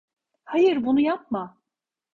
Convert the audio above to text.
Hayır, bunu yapma!